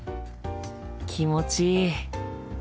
気持ちいい。